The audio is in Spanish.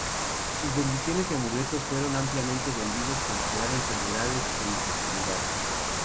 Sus bendiciones y amuletos fueron ampliamente vendidos para curar enfermedades e infertilidad.